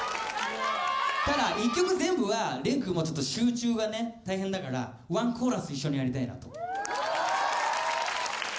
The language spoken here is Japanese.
ただ１曲全部はれんくんもちょっと集中がね大変だから１コーラス一緒にやりたいなと。